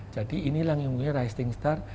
jadi ini yang yang mulai rising star